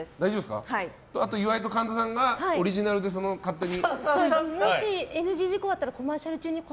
岩井と神田さんがオリジナルで勝手に。